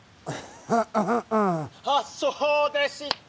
「はっそうでした！